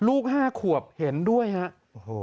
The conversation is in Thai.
ลูก๕ขวบเห็นด้วยครับ